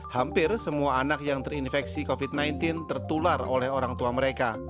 hampir semua anak yang terinfeksi covid sembilan belas tertular oleh orang tua mereka